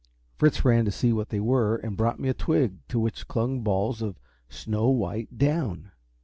Fritz ran to see what they were, and brought me a twig to which clung balls of snow white down.